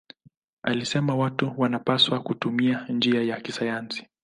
Alisema watu wanapaswa kutumia njia ya kisayansi.